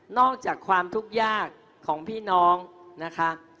อกจากความทุกข์ยากของพี่น้องนะคะ